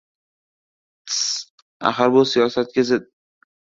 -Tss. Axir bu siyosatga zid!